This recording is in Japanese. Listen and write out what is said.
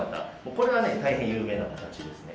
これがね有名な形ですね。